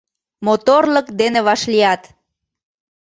Моторлык дене вашлият